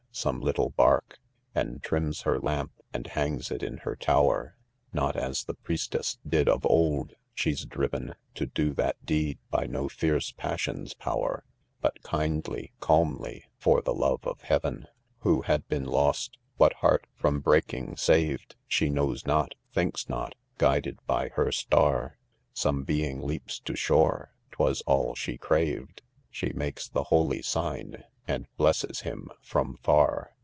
— soirie little bark And trims her lamp 'and hangs' it in her tower 1 j Ztiot as 1hepm&ig9>did> e£9lA$ (shW driven* To do that deed by no fierce passion's power,) But Madly — calmly — for the lovtf of heaven * Who had been lostywhaf li'earj from breatifi^sate'di' She knows notMJiiitks" not? j— gu ided by her star, Some being leaps to shore f— 3 twas all she craved,— She makes the holy sig% and blesses : :hiin from far.